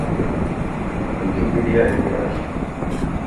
উইকিপিডিয়ার ইতিহাস